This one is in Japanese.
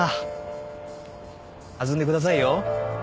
弾んでくださいよ。